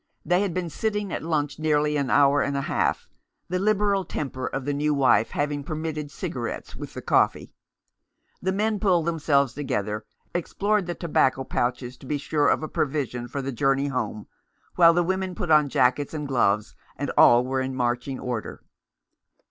They had been sitting at lunch nearly an hour and a half, the liberal temper of the new wife having permitted cigarettes with the coffee. The men pulled them selves together, explored their tobacco pouches to be sure of a provision for the journey home, while the women put on jackets and gloves, and all were in marching order.